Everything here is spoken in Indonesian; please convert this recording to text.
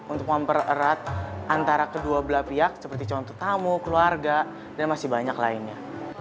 untuk mempererat antara kedua belah pihak seperti contoh tamu keluarga dan masih banyak lainnya